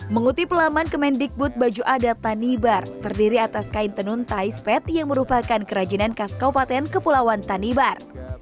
mengutip laman kemendikbud baju adat tanibar terdiri atas kain tenun tai spet yang merupakan kerajinan khas kaupaten kepulauan tanibar